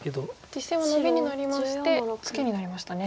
実戦はノビになりましてツケになりましたね。